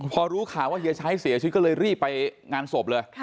พอรู้ข่าวว่าเฮียชัยเสียชีวิตก็เลยรีบไปงานศพเลย